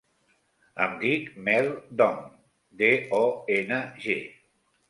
Em dic Mel Dong: de, o, ena, ge.